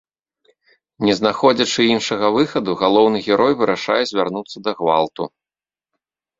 Не знаходзячы іншага выхаду, галоўны герой вырашае звярнуцца да гвалту.